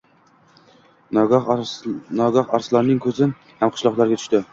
Nogoh Arslonning ko‘zi hamqishloqlariga tushdi.